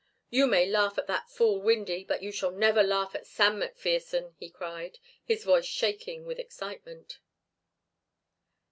"You may laugh at that fool Windy, but you shall never laugh at Sam McPherson," he cried, his voice shaking with excitement.